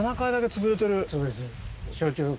潰れてる。